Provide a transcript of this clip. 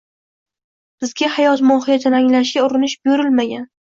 Bizga hayot mohiyatini anglashga urinish buyurilmagan.